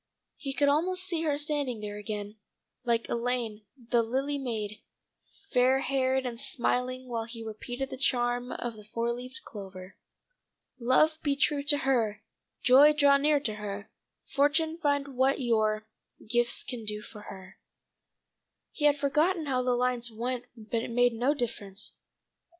He could almost see her standing there again like Elaine, the lily maid, fair haired and smiling while he repeated the charm of the four leaf clover: "'Love be true to her Joy draw near to her Fortune find what your Gifts can do for her '" He had forgotten how the lines went but it made no difference.